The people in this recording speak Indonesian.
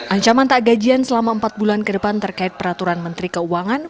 ancaman tak gajian selama empat bulan ke depan terkait peraturan menteri keuangan